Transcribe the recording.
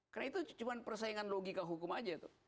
karena itu cuma persaingan logika hukum aja tuh